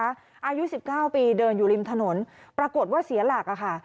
อายุ๑๙ปีเดินอยู่ริมถนนปรากฏว่าเสียหลักค่ะ